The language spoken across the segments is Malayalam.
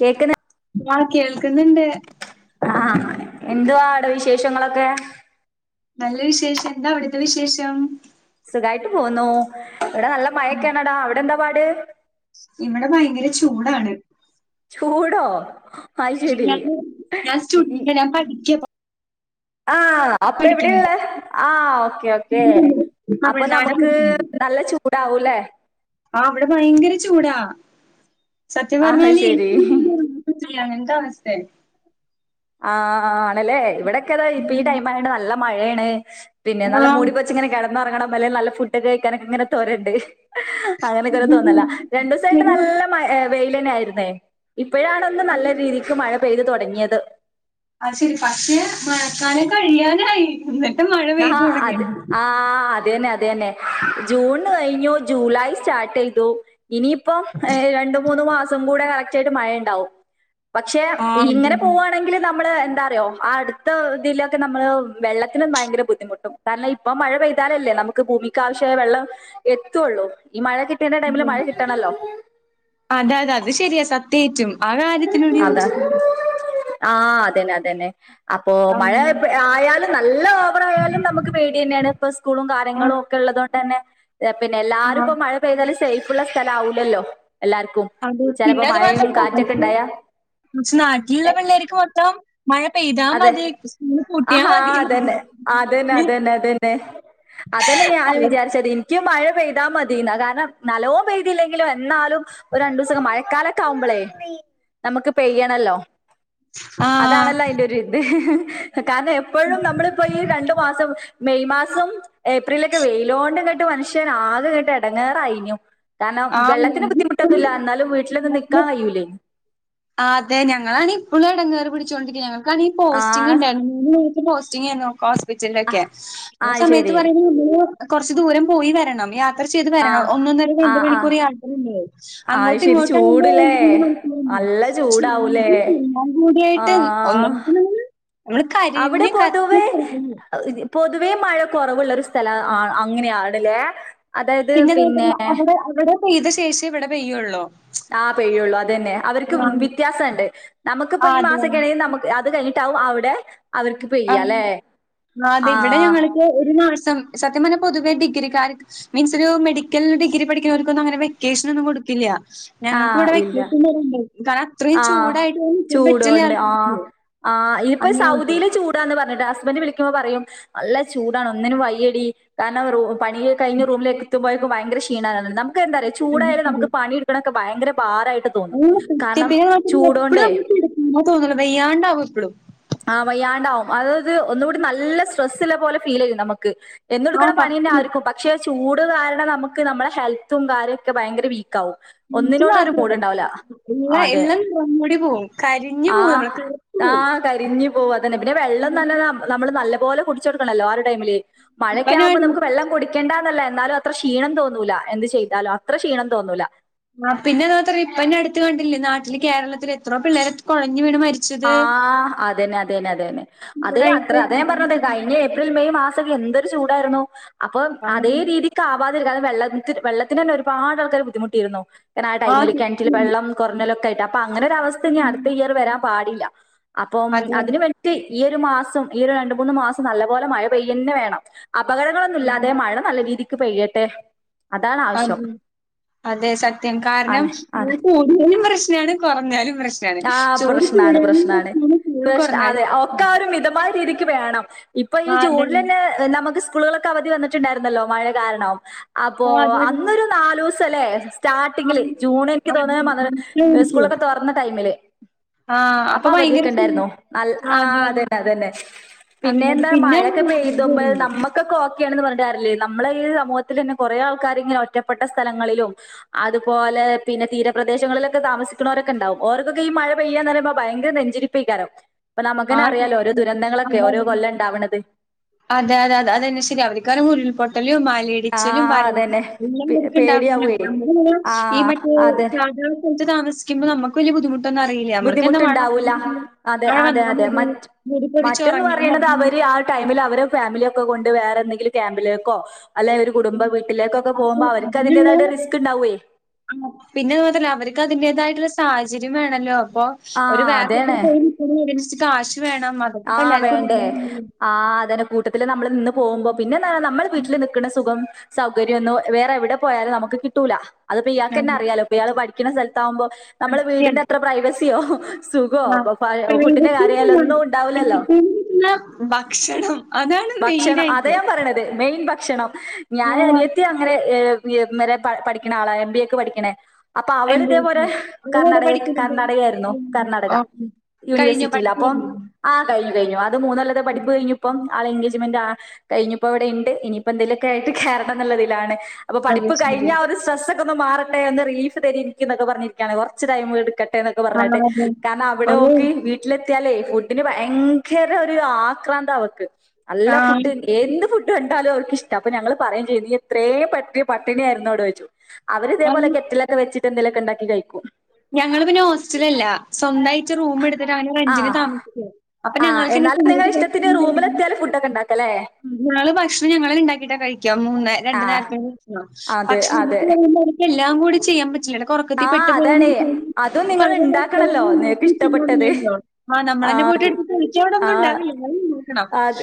കേക്ക്ന്ന് വാ കേൾക്ക്ന്ന്ണ്ട് ആ എന്തുവാ അവട വിശേഷങ്ങളൊക്കെ ആ നല്ല വിശേഷം എന്താ അവ്ട്ത്ത വിശേഷം സുഖായ്ട്ട് പോവ്ന്നു ഇവട നല്ല മയെക്ക അണടാ അവടെന്താ പാട് ഇവ്ട ഭയങ്കര ചൂടാണ് ചൂടോ അയ്ശരി ഇ ഈ ഞാ പഠിക്ക്യ ഇപ്പൊ ആഹ് അപ്പ എവ്ടെള്ള ആഹ് ഓക്കെ ഓക്കെ അപ്പൊ തമിഴ്നാട് നമ്ക്ക് നല്ല ചൂടാവൂല്ലേ ആഹ് അവ്ട ഭയങ്കര ചൂടാ സത്യം ആഹ് പറഞ്ഞാല് ശരി ചൂടാണ് ചൂയാണ് എന്തവസ്തെ ആഹ് ആണല്ലേ ഇവിടെൊക്കെ അതാ ഇപ്പൊ ഈ ടൈം ആണ്ട് നല്ല മഴയാണ് പിന്നെ നല്ല ആഹ് മൂടി ഇങ്ങനെ കിടന്നറങ്ങണം നല്ല ഫുഡ് കഴിക്കാനൊക്കെങ്ങനെ തൊരണ്ട് അങ്ങനൊക്കെ തോന്നല രണ്ടു ദിവസായിട്ട് നല്ല മ വെൽ തന്നെ ആയിരുന്നേ ഇപ്പോഴാണന്ന് നല്ല രീതിക്ക് മഴ പെയ്ത് തുടങ്ങിയത് അത് ശരി പക്ഷെ മഴക്കാന കഴിയാനായി എന്നിട്ട് മഴ പെയ്തു തുടങ്ങിയണ്ട് അതെ തന്നെ അതെ തന്നെ ജൂണ് കഴിഞ്ഞു ജൂലൈ സ്റ്റാർട്ടയ്തു ഇനിയിപ്പം രണ്ട മൂന്ന മാസം കൂടെ കറക്റ്റ് ആായിട്ട് മഴയ ഉണ്ടാവും പക്ഷെ ആഹ് ഇങ്ങനെ പോവാണ് നമ്മള് എന്താറിയോ അടുത്തത്തിലൊക്കെ നമ്മള് വെളളതിനും ഭയങ്കര ബുദ്ധിമുട്ടും കാരണം ഇപ്പം മഴ പെയ്താലല്ലേ നമുക്ക് ഭൂമിക്കഷായ വെള്ളം എത്തുള്ളൂ ഈ മഴ എന്റെ ടൈമില് അതെ മഴ കിട്ടണല്ലോ അതെ അതെ അത് ശെരിയാ സത്യേറ്റും ആ കാര്യത്തിനോട് അതാ യോജി ആഹ് അതന്നെ അതന്നെ അപ്പോൾ മഴ ആഹ് ആയാലും നല്ല ഓവറയാലും നമുക്ക് പേടി തന്നെയാണ് ഇപ്പൊ സ്കൂളും ആ കാര്യങ്ങളും ഒക്കെ ഉള്ളത് കോ തന്നെ പിന്നെ എല്ലാരും ആ ഇപ്പ മഴ പെയ്താലും സേഫ്ഉള്ള സ്ഥല ആവില്ലല്ലോ എല്ലാർക്കും അത ചെലപ്പോ പിന്നെ അത് മഴയും മാത്രം കാറ്റൊക്കെ ഇണ്ടായാ കുറച്ച് നാട്ടിലുള്ള പിള്ളര്ക്ക് മൊത്തം മഴ പെയ്താ അതെ മതി സ്കൂള് പൂട്ടിയാ ആഹാ അതന്നെ അതന്നെ മതീന്ന്. അതന്നെ അതന്നെ അതന്നെ ഞാൻ വിചാരിച്ച നിക്ക് മഴ പെയ്താൽ മതിയുന്ന കാരണം നലവും പെയ്തില്ലെങ്കും എന്നാലും ഒരു രണ്ടു ദിവസം മഴ തക്കാലൊക്കെ ആാവുമ്പോളേ നമുക്ക് പെയ്യണല്ലോ ആ അതാണല്ലോ അതിന്റെ കാരണം എപ്പോഴും നമ്മളിപ്പോ ഈ രണ്ടു മാസം മെയ് മാസം ഏപ്രിലൊക്കെ വെയിലോണ്ടും ഇങ്ങട്ട് മനുഷ്യൻ ആകെ ഇങ്ങട്ട് എടങ്ങാറായിഞ്ഞു കാരണം ആ വെള്ളത്തിന് ബുദ്ധിമുട്ടൊന്നുല്ല എന്നാലും വീട്ടിൽന്ന് നിൽക്കാ കയൂല്ലേ ആ അത ഞങ്ങളാണ ഇപ്പോഴും ഇടങ്ങുകറ് പിടിച്ചോണ്ടരിക്ക ഞങ്ങൾക്കാണ ഈ ആ പോസ്റ്റിങ്ഉണ്ടയിരൂനു പോസ്റ്റിങ്ങ നോക്ക ഹോസ്പിറ്റലിലൊക്കെ ആ സമയത്ത് പറയണ [unintelligible] കുറച്ച് ദൂരം പോയി വരണം യാത്ര ചെയ്ത് ആ വരണം ഒന്നന്നര ആ രണ്ട ആ മണിക്കൂർ യാത്രയില്ലേ ആ അങ്ങോട്ട് ശരി ഈങോട്ട് ആവുമ്പോ ചൂടല്ലേ മണികുർവോടിവരും നല്ല ച ചൂടാവൂലേ ഞാൻ ആ കൂടിയായിട്ട് ഒന്ന അവിടെ പൊതുവേ [unintelligible] പൊതുവേ മഴ കൊറവ്ള്ള ഒരു സ്ഥല ആ അങ്ങനെയാണ് ലേ പിന്നെ നോക്കികഴിഞ്ഞാ അവിടെ അവിടെ പെയ്ത ശേഷേ ഇവടെ പെയ്യോള്ളൂ ആഹ് പെയ്യൊള്ളു അതെന്നെ അവർക്ക് വ്യത്യാസണ്ട് നമക്ക്പ്പോ ഈ അതെ. മാസം കഴി നമക്ക് അത് കഴിഞ്ഞ് ട്ടാവും അവിടെ അവർക്ക് ആഹ് പെയ്യാല്ലേ? അതെ ഇവിടെ ആഹ്. ഞങ്ങക്ക് ഒരു മാസം സത്യം പറഞ്ഞാ പൊതുവെ ഡിഗ്രിക്കാര്ക്ക് മീൻസ് ഒരു മെഡിക്കൽ ഡിഗ്രി പഠിക്കുന്നവർക്കൊന്നും അങ്ങനെ വെക്കേഷനൊന്നും കൊട്ക്കില്ല ഞങ്ങക്ക് ആഹ് ഇവിടെ ഇല്ല. വെക്കേഷൻ തര്ണ്ട് കാരണം അത്രയും ആഹ്. ചൂടായിട്ട് ഇവടെ നിക്കാൻ പറ്റ്ല്ല ചൂടോണ്ട് ആൾക്കാർക്ക് ആഹ്. ആഹ് ഇപ്പോ അങ്ങനെയൊക്കെ സൗദിയിലെ ചൂ ടാന്ന് പറഞ്ഞിട്ട് ഹസ്ബന്റ് വിളിക്കുമ്പോ പറയും നല്ല ചൂടാണ് ഒന്നിനും വെയ്യടീ കാരണം റൂ പണിയൊക്കെ കഴിഞ്ഞ് റൂമില് എത്ത്മ്പോഴേക്കും ഭയങ്കര ക്ഷീണാ തോന്ന്ണ് നമുക്കെന്താറ്യോ ചൂടായാല് നമുക്ക് പണി ഇട്ക്ക്ണൊക്കെ ഭയങ്കര ഭാരയിട്ട് ആഹ് കൃത്യത്തിന് [unintelligible] എപ്പഴും നമ്മുക്ക് കെടക്കാനാ തോന്ന്ണെ വെയ്യാണ്ടാവും എപ്പളും ആഹ് വെയ്യാണ്ടാവും അതായത് ഒന്നുകൂടി നല്ല സ്ട്രെസ്സ്‌ല പോലെ ഫീലെയ്യും നമക്ക് എന്നും ഇട്ക്ക്ണ ആഹ് പണ്യന്നെ ആര്ക്കും പ ക്ഷെ ചൂട് കാരണം നമുക്ക് നമ്മളെ ഹെൽത്തും കാര്യയൊക്കെ ഭയങ്കര വീക്കാവും സത്യം ഒന്നിനോടും ഒരു മാത്രം മൂട്ണ്ടാവൂല എല്ലാ അതെ എല്ലാം നിറം മൂടി പോവും. കരിഞ്ഞു പോവും ആഹ് നമ്മള് ആഹ് കരിഞ്ഞ് പോവും അതെന്നെ പിന്നെ വെള്ളം തന്നെ നമ്മ നമ്മള് നല്ല പോലെ കുടിച്ചോട്ക്കണല്ലോ ആ ഒരു ടൈമില് ഇപ്പ ഞാൻ മഴക്കാവുമ്പോ കണ്ടില്ലേ നമുക്ക് വെളളം കുടി ക്കേണ്ടന്നല്ല എന്നാലും അത്ര ക്ഷീണം തോന്നൂല എന്ത് ചെയ്താലും അത്ര ക്ഷീണം തോന്നൂല ആഹ് പിന്നെ അത് മാത്രല്ല ഇപ്പന്നെ അട്ത്ത് കണ്ടില്ലേ നാട്ടില് കേരളത്തിൽ എത്രോ പിള്ളേരാ കൊയഞ്ഞ് വീണ് മരി ആഹ് അതന്നെ അതെന്നെ അതെന്നെ അതെ അത്ര ചൂടായിട്ട്. അതാ ഞാൻ പറഞ്ഞത് കഴിഞ്ഞ ഏപ്രിൽ മെയ് മാസൊക്കെ എന്തൊര് ചൂടായിരുന്നു അപ്പൊ അതേ രീതി ക്കാവാതിരിക്കാൻ വെള്ളത്തിന് വെള്ളത്തിനെന്നെ ഒരുപാട് ആൾക്കാര് ബുദ്ധിമുട്ടിരുന്നു കാരണ ആ ആഹ് ടൈമില് കെണറ്റില് സത്യം. വെള്ളം ർഞ്ഞോലൊക്കായിട്ട് അപ്പ അങ്ങനൊരു അവസ്ഥ ഇനി ഉം അട്ത്ത ഇയർ വരാൻ പാടില്ല അപ്പം അതെ അതിന് വേ ട്ട് ഈ ഒര് മാസം ഈ ഒരു രണ്ട് മൂന്ന് മാസം നല്ല പോലെ മഴ പെയ്യന്നെ വേണം അപകടങ്ങളൊ ഉം. ന്നുല്ലാതെ മഴ നല്ല രീതീക്ക് പെയ്യട്ടെ അതാണ് ആവശ്യം അതെ അതെ സത്യം കാരണം ആണ് അതെ. മഴ കൂടിയാലും പ്രശ്നാണ് കൊറഞ്ഞാലും പ്രശ് നാണ് ആഹ് ചൂട് പ്രശ്നാണ് കൂടിയാലും പ്രശ്നാണ് ചൂട് കൊറഞ്ഞാലും പ്രശ്നാണ് ക്കെ മിതമായ രീതിക്ക് വേണം ഇപ്പൊ ഈ ആഹ് അതെ. ജൂണിലെന്നെ നമുക്ക് സ്കൂളുകളൊക്കെ അവധി വന്നിട്ടുണ്ടായിരുന്നല്ലോ മഴ കാരണം അപ്പോ ആഹ് അതെയതെ. അന്നൊരു നാലൂസം ലേ സ്റ്റാർട്ടിങ്ങില് ആണ്. ജൂണ് എനിക്ക് അതെ തോന്ന്ണ് മദ മനസ്സിലായി എനിക്ക്. സ്കൂളൊക്കെ തൊറന്ന ടൈമില് ആഹ് അപ്പൊ ഭയങ്കര അവധിയൊക്കെ ഇണ്ടായിരുന്നു ന ആഹ് അതന്നെ അതന്നെ പിന്നെ അങ്ങനെ എന്താ പിന്നെ മഴൊക്കെ ആരോഗ്യം പെയ്തുമ്പോ നമ്മ ക്കൊക്കെ ഓക്കെയാണെന്ന് പറഞ്ഞിട്ട് കാര്യല്ല നമ്മളെ ഈ സമൂഹത്തിലെന്നെ കൊറെ ആൾക്കാര് ഇങ്ങനെ ഒറ്റപ്പെട്ട സ്ഥലങ്ങളിലും അതുപോലെ പിന്നെ തീരപ്രദേശങ്ങളിലൊക്കെ താമസിക്കുണോരൊക്കെ ഇണ്ടാവും ഓര്ക്കൊക്കെ ഈ മഴ പെയ്യാന്ന് പറയുമ്പോ ഭയങ്കര നെഞ്ചിടിപ്പേക്കാരം ഇപ്പൊ നമുക്കെന്നെ ആഹ് അറിയാലോ ഓരോ സത്യം. ദുരന്തങ്ങളൊക്കെ ഓരോ കൊല്ലണ്ടാവ്ണത്. അതെ അതെ അതെ അതന്നെ ശരിയാ അവർക്കാണെങ്കില് ഉരുൾപൊട്ടല് മല ആ ഇടിച്ചിലും അതന്നെ. പേ [unintelligible] ച്ച് പേടിയാവുവേ. ആ അതെ. താമിക്കുമ്പോ നമ്മക്ക് വല്ല്യ ബുദ്ധി ബുദ്ധിമുട്ട്ണ്ടാവൂല അതെ മഴ അതെ വന്നാ അതെ മതി, മറ്റ് മൂടി പൊതച്ച് മറ്റന്ന് ഉറങ്ങിയാ പറയ്ണത് മതി. അവര് ആ ടൈമില് അവരെ ഫാമിലിയെക്കെ കൊണ്ട് വേറെ എന്തെങ്കിലും ക്യാമ്പിലേക്കോ അല്ലെ ഒര് കുടുംബ വീട്ടിലേക്കൊക്കെ പക്ഷെ പോവ്മ്പോ അവർക്ക് അതിന്റെതായിട്ടൊര് റിസ്ക് ഇണ്ടാവേ ആഹ് പിന്നെ അത് മാത്രല്ല അവർക്ക് അതിന്റേതായിട്ടുള്ള സാഹചര്യം വേണല്ലോ അപ്പൊ ആ ഒരു വേറെ അതാണ് സ്ഥലത്ത്ക്ക് പോയി നിക്കണങ്കി അതിനനുസരിച്ചു കാശ് വേണം അതൊക്കെ ഇപ്പല്ലാർക്കും വേണോന്നില്ലല്ലോ ആഹ് അതന്നെ കൂട്ടത്തില് നമ്മള് നിന്ന് പോകുമ്പോ പിന്നെ പറഞ്ഞ നമ്മളെ വീട്ടില് നിക്ക്ണ സുഖം, സൗകര്യന്നും വേറെ എവിടെ പോയാലും നമുക്ക്‌ കിട്ടൂല അത്പ്പോ ഇയാക്കന്നെ അറിയാലോ ഇയാള് പഠിക്ക്ണ സ്ഥലത്താവുമ്പോ നമ്മള് ശരിയാണ്. വീടിന്റെ അത്ര പ്രൈവസിയോ സുഖോ ആഹ് അപ്പൊ ഫുഡ്‌ന്റെ കാര്യായാലോ പ്രൈവസിയൊന്നുമില്ല. ഒന്നും ഉണ്ടാവൂല്ലല്ലോ. [unintelligible] ഭക്ഷണം അതാണ് ഭക്ഷണം മെയിനായിട്ട് അതാ ഞാൻ പറയണത് മെയിൻ ഭക്ഷണം ഞാന് ഓഹ് അനിയത്തി അങ്ങനെ ഏഹ് [unintelligible] വരെ പഠിക്കണ ആളാ എം ബി എ ക്ക് പഠിക്കണേ അപ്പൊ അവള് എംബിഎക്ക്. ഇതേപോലെ അവളെവിടെ കർണാടക പഠിക്കണത്? കർണാടക ആയിരുന്നു ഉം. കർണാടക ഓഹ്. കഴിഞ്ഞോ? യൂണിവേഴ്സിറ്റിയില് പഠിപ്പ് അപ്പം കഴിഞ്ഞോ? ആഹ് കഴിഞ്ഞു കഴിഞ്ഞു അത് മൂന്നൊല്ലത്തെ ഉം. പഠിപ്പ് കഴിഞ്ഞു ഇപ്പം ആളെ എൻഗേജ്മെന്റ് ആണ് കഴിഞ്ഞപ്പോ ഇവിടെണ്ട് ഇനിയിപ്പോ എന്തെങ്കിലൊക്കെ ആയിട്ട് കേറണം ന്നുള്ളതിലാണ് അപ്പൊ അത് പഠിപ്പ് കഴിഞ്ഞ ശരി. ആ ഒരു സ്ട്രെസ് ക്കെന്ന് മാറട്ടെ ഒന്ന് റീലീഫ് തരി ഇൻക് എന്നൊക്കേ പറഞ്ഞിരിക്കയാണ് കുറച്ച് ടൈം എടുക്കട്ടെ ക്കെ ആ പറഞ്ഞിട്ട് അതെ. കാരണം അവിടെ അവള് ഓക്ക് വീട്ടി വീട്ടിലെത്തിയാലേ ഫുഡിന് ഭയങ്കര ഒരു ആക്രാന്ത അവക്ക് നല്ല ആഹ് ഫുഡ് എന്ത് ഫുഡ് കണ്ടാലും അവൾക്കിഷ്ട്ടാ അപ്പൊ ഞങ്ങള് പറയും ചെയ്യും നീ ഇത്രയും പട്ടി പട്ടിണിയായിരുന്നോ ടോ ചോയ്ച്ചും അവള് അവരിതേപലെ കെറ്റിലൊക്കെ വെച്ചിട്ട് എന്തേലൊക്കെ ഇണ്ടാക്കി കഴിക്കും. ഞങ്ങള് പിന്നെ ഹോസ്റ്റലല്ല സ്വന്തായിട്ട് റൂം എടുത്തിട്ട് അങ്ങനെ റെന്റിന് താമസിക്കേ ആഹ് എന്നാലും നിങ്ങടെ ഇഷ്ട്ടത്തിന് റൂമിലെത്തിയാൽ ഫുഡൊക്കെ ഇണ്ടാക്കല്ലേ ങ്ങള് ഭക്ഷണം ഞങ്ങള്ണ്ടാക്കിട്ടാ കഴിക്കാ മൂന്ന് രണ്ട് ആ നേരത്തെ ഭക്ഷണം അതെ പക്ഷെ അതെ നമക്ക് [unintelligible] എല്ലാം കൂടി ചെയ്യാൻ പറ്റില്ലല്ലോ ആ അതാണ് അതും നിങ്ങൾ ഉണ്ടാക്കണല്ലോ നിങ്ങക്ക് ഇഷ്ടപ്പെട്ടത് [unintelligible] ആഹ് ആ നമ്മളന്നെ പോയിട്ട് എടുത്ത് കഴിച്ചാ അവിടെ ഒന്നും ആ ഉണ്ടാവില്ല എന്നാലും നോക്കണം അത്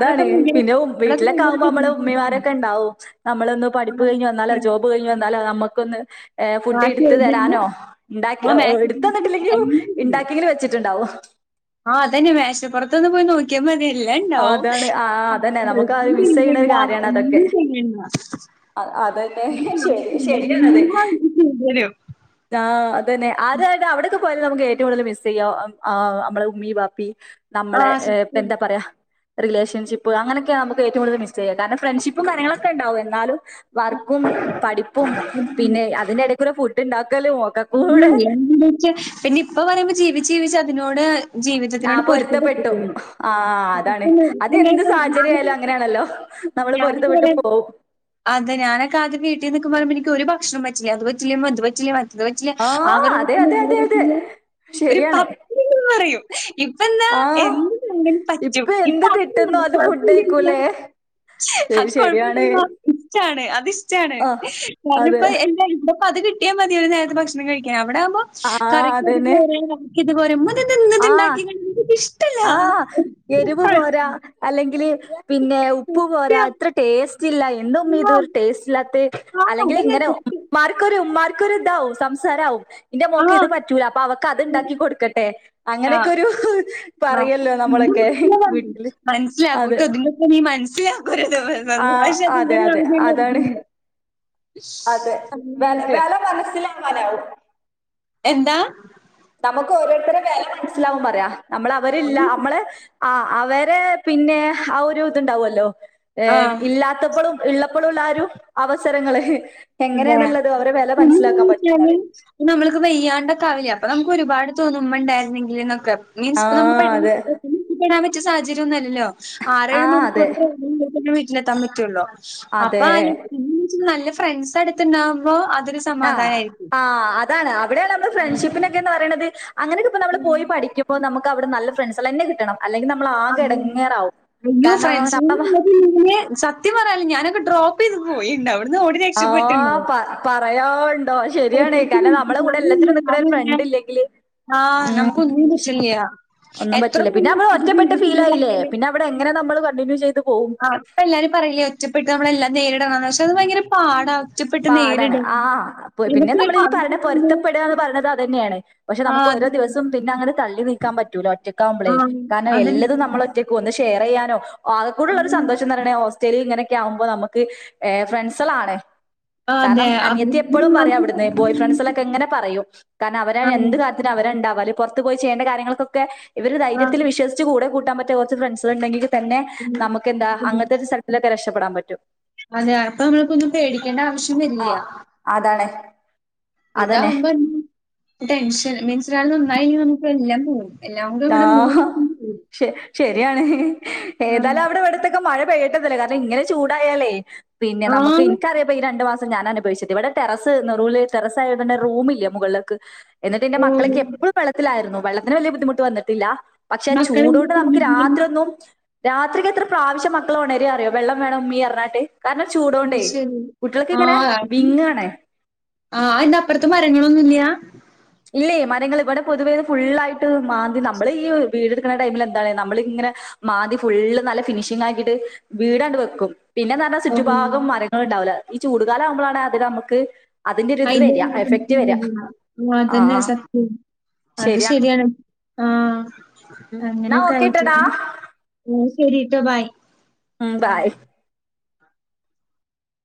അതാണ് പിന്നെ വീട്ടിലൊക്കെ ആകുമ്പോ നമ്മള് ഉമ്മിമാരൊക്കെ ണ്ടാവും നമ്മളൊന്ന് പഠിപ്പ് കഴിഞ്ഞു വന്നാലോ ഭയങ്കര ജോ ബ് കഴിഞ്ഞു വന്നാലോ നമക്കൊന്ന് ഏഹ് ഫുഡ് മാറ്റി ഇടുത്ത് എഴുതുമ്പോ തരാനോ ഇണ്ടാക്കി ആ എടുത്ത് മേശപ്പുറത്ത് തന്നിട്ടില്ലെങ്കിലും എല്ലാം ഇണ്ടാക്കിയെങ്കിലും വെച്ചിട്ടുണ്ടാവും ആഹ് അതന്നെ മേശപ്പുറത്തൊന്ന് പോയി നോ ക്കിയ മതി എല്ലാം അതാണ് ആഹ് അതന്നെ ണ്ടാവും നമുക്ക് അത് ഡ്രെസ്സും മിസ്സെയ്യണ ഒരു തിരുമ്പണ്ടാ കാര്യാണ് ഒന്നും അതൊക്കെ. ചെയ്യണ്ട അ അതന്നെ ശരി [unintelligible] [inaudible] താ അതന്നെ അതായത് അവിടെക്കെ പോയാൽ നമുക്ക് ഏറ്റവും കൂടുതൽ മിസ് ചെയ്യ ആഹ് നമ്മളെ ഉമ്മി ബാപ്പി ആ നമ്മളെ ഇപ്പോ ന്താ പറയാ റിലേഷൻഷിപ്പ് അങ്ങനൊക്കെയാ നമുക്ക് ഏറ്റവും കൂടുതൽ മിസ് ചെയ്യ കാരണം ഫ്രണ്ട്ഷിപ്പും കാര്യങ്ങളൊക്കെ ഉണ്ടാവും എന്നാലും വർക്കും, പഠിപ്പും സത്യത്തില്. പിന്നെ അതിന്റെ എടയ്ക്കൊരു ഫുഡ് ഇണ്ടാക്കലും ഒക്കെ കൂടെ [unintelligible] പിന്നെ ഇപ്പ പറയുമ്പോ ജീവിച്ച് ജീവിച്ച് അതിനോട് ആഹ് ജീവിതത്തിനോട് പൊരുത്തപ്പെട്ടു പൊരുത്തപ്പെട്ടിട്ടുണ്ട് ആഹ് അതാണ് പെട്ടെന്ന് ഇപ്പൊ എന്താ അതെന്ത് വെച്ചാ, സാഹചര്യായാലും അങ്ങനെയാണല്ലോ നമ്മള് പൊരുത്തപ്പെട്ട് പോവും ആഹ് അതെ ഞാനൊക്കെ ആദ്യം വീട്ടിൽ നിക്കുമ്പോ പറുമ്പോ എനിക്ക് ഒരു ഭക്ഷണം പറ്റില്ല അത് പറ്റില്ല ഇത് പറ്റില്ല അത് പറ്റില്ല ആ ആഹ് കറി അതെ പറ്റില്ല അതെ ഈ കറി അതെ അതെ. പറ്റില്ല ഒരു പ ശരിയാണ്. [unintelligible] പറയും ഇപ്പെന്നാ ആഹ് എന്ത് തന്നാലും പറ്റും ഇപ്പ കിട്ടുന്നോ അത് ഫുഡ് കഴിക്കൂലേ അത് കൊഴപ്പല്ലമ്മ ഇഷ്ടാണ് അത് ഇഷ്ടാണ് ആഹ്. കാരണം അതെ. ഇപ്പ എന്റെ ഇവിടെപ്പ അത് കിട്ട കിട്ടിയ മതി ഒരു നേരത്തെ ഭക്ഷണം കഴിക്കാൻ അവിടെ ആവുമ്പോ ആ കറിക്ക് രുചി അതന്നെ. വേറെ ത് പോരാ മ്മാ ഇതെന്താന്ന് ഇന്ന് ഇത് ഉണ്ടാക്കിക്ക്ണ് ഇത്ക്ക് ഇഷ് ആഹ് എരിവ് പോരാ അല്ലെങ്കില് പിന്നെ ഉപ്പ് പോരാ സത്യം ഇത്ര ടേസ്റ്റ് ഇല്ല എന്താ ഉമ്മീ ആ ഇതൊരു ടേസ്റ്റ് ഇല്ലാത്തെ ആ അല്ലെങ്കിൽ അതന്നെ ഇങ്ങനെ സത്യം ഉമ്മാർക്കൊരു മാർക്കൊരു ഇതാവും സംസാരാവും ഇന്റെ മോക്ക് ആ ഇത് പറ്റൂല അപ്പൊ അവൾക്ക് അത് ഉം. ഉണ്ടാക്കി കൊടുക്കട്ടെ ആ അങ്ങനെയൊക്കെ ആ ഒരു പറയൂല്ലോ ഇത് നമ്മളൊക്കെ മനസ്സിലാ പറയും വീട്ടില് അതെ മനസ്സിലാക്കൂട്ടോ ഇതിനൊക്കെ നീ മനസ്സിലാക്കരുത് ആഹ് പക്ഷെ അതെ അതിങ്ങനെ അതെ അതാണ് അറിയില്ല അതെ അങ്ങനെയൊക്കെ. വില മനസ്സിലാവാനാവൂ എന്താ നമുക്ക് ഓരോരുത്തരെ വില മനസ്സിലാവും പറയാ നമ്മള് അവരില്ലാ നമ്മള് ആഹ് അവര് പിന്നെ ആഹ് ഒരു ഇതുണ്ടാവുമല്ലോ ഏഹ് ആഹ് ഇല്ലാത്തപ്പളും ഉള്ളപ്പോളുള്ള ആഹ് ഒരു അവസരങ്ങള് അതെ എങ്ങനെയാന്നുള്ളത് അവരെ വില മനസ്സിലാക്കാൻ പറ്റു ഇപ്പോ നമ്മുക്ക് വയ്യാണ്ടൊക്കെയാവില്ലേ അപ്പൊ നമുക്ക് ഒരുപാട് തോന്നും ഉമ്മ ഉണ്ടായിരുന്നെങ്കിൽന്നൊക്കെ മീൻസ് ആ ഇപ്പൊ അതെ [unintelligible] എത്തിപ്പെടാൻ പറ്റിയ സാഹചര്യവൊന്നുവല്ലല്ലോ ആ ആറേഴ് മണിക്കൂർ അതെ തന്നെ വീട്ടിലെത്താൻ പറ്റുവൊള്ളു അപ്പൊ അതെ നല്ല ഫ്രണ്ട്സ് അടുത്തുണ്ടാവുമ്പോ അതൊരു ആഹ് സമാധാനായിരിക്കും ആഹ് അതാണ് അവിടെയല്ലേ നമ്മളെ ഫ്രണ്ട്ഷിപ്പിനൊക്കെന്ന് പറയണത് അങ്ങനെയൊക്കെ ഇപ്പോ നമ്മള് ഉം പോയി പഠിക്കും അപ്പോ നമുക്കവടെ നല്ല ഫ്രണ്ട്സോളന്നെ കിട്ടണം അല്ലെങ്കിൽ നമ്മള് ആ അതന്നെ അയ്യോ ഫ്രണ്ട്സന്ന് നമ്മ പറഞ്ഞ് കഴിഞ്ഞാ ച സത്യം പറയാല്ലോ ഞാനൊക്കെ ഡ്രോപ്പ് ചെയ്ത് പോയിണ്ട് അവിടുന്ന് ഓടി രക്ഷപ്പെട്ടുണ്ട് പറയാൻണ്ടോ ശെരിയാണ് കാരണം നമ്മളെ കൂടെ എല്ലാത്തിനും നിക്കണ ഒരു ഫ്രണ്ട് ഇല്ലെങ്കില് ആഹ് ഉം നമുക്കൊന്നിനും പറ്റില്ല്യാ ഒന്നും പറ്റില്ല പിന്നെ അവടെ ഒറ്റപ്പെട്ട ഫീൽ ആയില്ലേ പറഞ്ഞാല്. പിന്നെ അവിടെ എങ്ങനെ നമ്മൾ കണ്ടിന്യൂ ചെയ്തു ആഹ് ഇപ്പൊ എല്ലാരും പറയില്ലേ ഒറ്റപ്പെട്ട് നമ്മളെല്ലാം നേരിടണംന്ന് പക്ഷെ അത് ഭയങ്കര പാടാണ് പാടാണ് ആഹ് പിന്നെ നമ്മള് ഈ പറയണ ആവശ്യം വന്ന് പൊരുത്തപ്പെടുക എന്ന് പറയണത് അത് തന്നെയാണ് പക്ഷെ ആ നമുക്ക് ഓരോ അത് ദിവസം പിന്നെ അങ്ങനെ തള്ളി നീക്കാൻ പറ്റൂല ആ ഒറ്റക്കാവുമ്പളേ കാരണം അതിന് എല്ലാതും നമ്മള് ഒറ്റയ്ക്ക് ഒന്ന് ഷെയർ ചെയ്യാനോ ആകെകൂടെയുള്ള അത് ഒരു സന്തോഷം തരണെ ഹോസ്റ്റല് ഇങ്ങനൊക്കെ ആകുമ്പോ നമ്മക്ക് ഫ്രണ്ട്സുകളാണ് ആ അതെ കാരണം അനിയത്തി എപ്പോളും പറയും അവർക്ക് അവിടുന്ന് ബോയ് ഫ്രണ്ട്സ്കള് ക്ക് ഇങ്ങനെ പറയും കാരണം അവരാണ് ആണ് എന്ത് കാര്യത്തിനും അവരാ ഉണ്ടാവ അല്ലെ പുറത്ത് പോയി ചെയ്യേണ്ട കാര്യങ്ങൾക്കൊക്കെ ഇവര് ആ ധൈര്യത്തിൽ വിശ്വസിച്ച് കൂടെ കൂട്ടാൻ പറ്റിയ കുറച്ച് ഫ്രണ്ട്സ്കളുണ്ടെങ്കിൽ തന്നെ ഉം. നമുക്ക് എന്താ ഉം. അങ്ങനത്തെ ഒരു ഇതിലൊക്കെ രക്ഷപ്പെടാൻ പറ്റും അതെ അപ്പൊ നമ്മൾക്കൊന്നും പേടിക്കേണ്ട ആവശ്യം ആ വരില്ല അതാണ് അതന്നെ ഇതാവുമ്പോ ടെൻഷൻ മീൻസ് ഒരാള് നന്നായില്ലേ നമുക്ക് എല്ലാം പോവും എല്ലാം കൂടെ ഇവിടെ മൂള് ശെരിയാണ് ഏതായാലും അവിടെവിടുത്തെ മഴ പെയ്യട്ടന്നല്ലേ കാര്യം ഇങ്ങനെ ചൂടായാലേ പിന്നെ നമുക്ക് ആ എനിക്കറിയാപ്പോ ഈ രണ്ട് മാസം ഞാൻ അനു ഇവിടെ ടെറസ് നുറൂൽ ടെറസ് ആയത് കൊണ്ട് റൂമില്ല മുകളിലേക്ക് എന്നിട്ട് എന്റെ ഓ! മക്കള് ഒക്കെ എപ്പളും വെള്ളത്തിലായിരുന്നു വെള്ളത്തിന് വലിയ ബുദ്ധിമുട്ട് വന്നിട്ടില്ല പക്ഷെ മക്കളെന്താ ചൂടോണ്ട് നമുക്ക് ചെയ്യിക്കണെ? രാത്രി ഒന്നും രാത്രിയൊക്കെ എത്ര പ്രാവശ്യ മക്കള് ഉണരും അറിയോ വെള്ളം വേണം ഉമ്മീന്ന് പറഞ്ഞിട്ട് കാരണം അത് ചൂടോണ്ടേ ശരി. കുട്ടികളൊക്കെ ഇങ്ങനെ വിങ്ങുവാണ് ആഹ് അതിൻ്റെ അപ്പുറത്ത് മരങ്ങളൊന്നും ഇല്ല്യാ ഇല്ലേ മരങ്ങൾ ഇവിടെ പൊതുവെ ഫുള്ളായിട്ട് മാന്തി നമ്മള് ഈ വീടെടുക്കുന്ന ടൈമില് എന്താണ് നമ്മൾ ഇങ്ങനെ മാന്തി ഫുള്ള് നല്ല ഫിനിഷിംഗ് ആക്കിയിട്ട് വീടങ്ങ് വെക്കും പിന്നെന്താ പറഞ്ഞാ ഓ! ചുറ്റുഭാഗം മരങ്ങൾ ഉണ്ടാവില്ല ഈ ചൂടുകാലം ആവുമ്പോളാണ് അതികം നമുക്ക് അതിന്റെ ഒരിത് അയിന്റെ വരിക എഫക്ട് വരിക ആ അതന്നെ സത്യം അത് ശരിയാണ് ആഹ് എന്നാ അങ്ങനെയക്കെ അയിട്ട് ഓക്കേട്ടടാ. ശരിട്ടോ ബായ് ഉം ബായ്